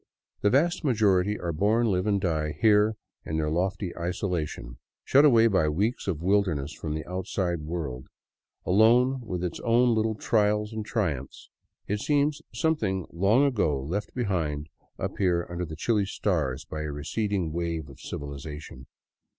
The vast majority are born, live, and die here in their lofty isolation. Shut away by weeks of wilderness from the outside world, alone with its own little trials and triumphs, it seems something long ago left behind up here under the chilly stars by a receding wave of civilization.